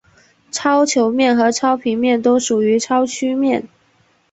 超球面和超平面都属于超曲面。